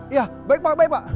iya baik baik pak